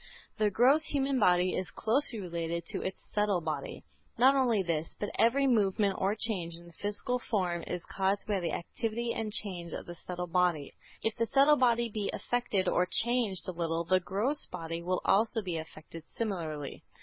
The gross human body is closely related to its subtle body. Not only this, but every movement or change in the physical form is caused by the activity and change of the subtle body. If the subtle body be affected or changed a little, the gross body will also be affected similarly.